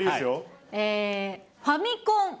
ファミコン。